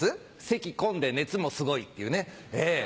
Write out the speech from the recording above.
セキこんで熱もすごいっていうね。